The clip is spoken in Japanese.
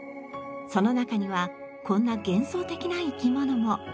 その中にはこんな幻想的な生き物も。